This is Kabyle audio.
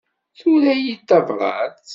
Yura-yi-d tabrat.